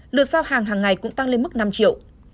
lượt giao hàng hàng ngày cũng tăng lên mức năm triệu